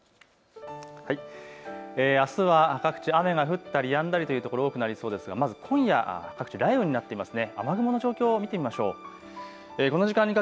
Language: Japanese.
あすは各地雨が降ったりやんだりという所多くなりそうですがまず今夜、各地雷雨になってますね。